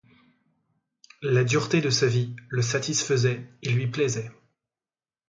La dureté de sa vie le satisfaisait et lui plaisait.